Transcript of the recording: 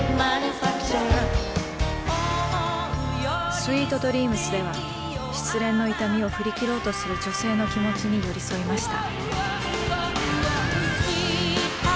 「ＳＷＥＥＴＤＲＥＡＭＳ」では失恋の痛みを振り切ろうとする女性の気持ちに寄り添いました。